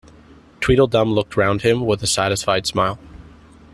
Tweedledum looked round him with a satisfied smile.